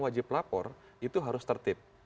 wajib lapor itu harus tertib